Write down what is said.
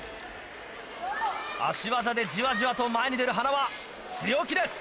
足技でじわじわと前に出る塙強気です。